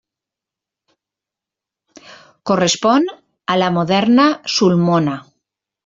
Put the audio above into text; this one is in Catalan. Correspon a la moderna Sulmona.